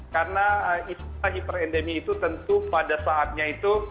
karena isu hiperendemi itu tentu pada saatnya itu